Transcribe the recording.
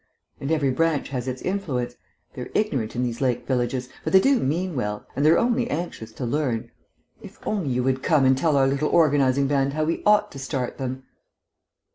And every branch has its influence. They're ignorant in these lake villages, but they do mean well, and they're only anxious to learn. If only you would come and tell our little organising band how we ought to start them!"